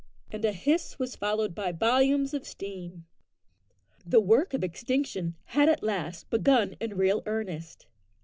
and a hiss was followed by volumes of steam. The work of extinction had at last begun in real earnest.